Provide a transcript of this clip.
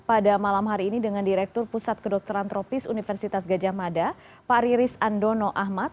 pada malam hari ini dengan direktur pusat kedokteran tropis universitas gajah mada pak riris andono ahmad